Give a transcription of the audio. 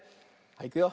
いくよ。